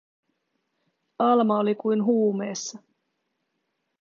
Alma oli kuin huumeessa.